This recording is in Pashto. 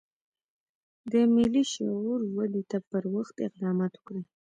د ملي شعور ودې ته پر وخت اقدامات وکړي.